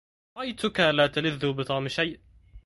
رأيتك لا تلذ بطعم شيء